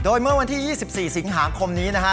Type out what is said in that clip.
โดยเมื่อวันที่๒๔สิงหาคมนี้นะฮะ